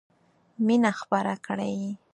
مينه خپره کړئ.